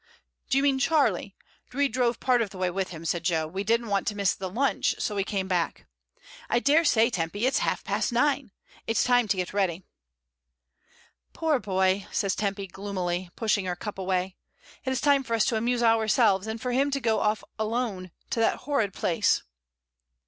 "Do you mean Charlie? We drove part of the way with him," said Jo. "We didn't want to miss the lunch, so we came back. I say, Tempy, it's half past nine. It's time to get ready." "Poor boy," says Tempy, gloomily, pushing her cup away. "It is time for us to amuse ourselves, and for him to go off alone to that horrid place."